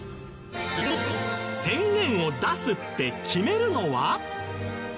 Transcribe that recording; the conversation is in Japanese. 宣言を出すって決めるのは？